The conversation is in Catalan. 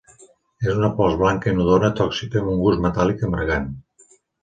És una pols blanca inodora tòxica amb un gust metàl·lic amargant.